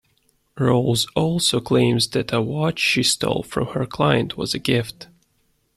Rose also claims that a watch she stole from her client was a gift.